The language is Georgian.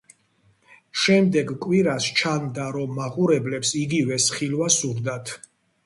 შემდეგ კვირას ჩანდა, რომ მაყურებლებს იგივეს ხილვა სურდათ.